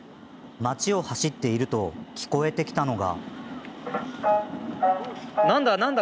町を走っていると聞こえてきたのが。